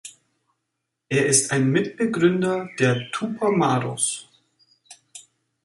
Er ist ein Mitbegründer der Tupamaros.